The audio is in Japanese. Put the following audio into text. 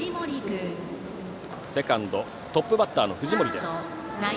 セカンドはトップバッター、藤森。